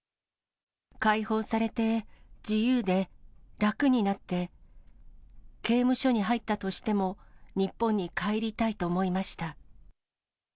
解放されて、自由で、楽になって、刑務所に入ったとしても、日本に帰りたいと思いました。